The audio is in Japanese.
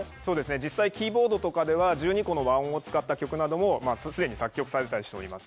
実際キーボードとかでは１２個の和音を使った曲なども既に作曲されたりしております。